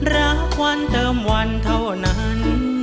รักวันเติมวันเท่านั้น